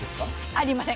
ありません。